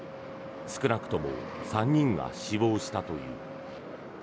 少なくとも３人が死亡したという。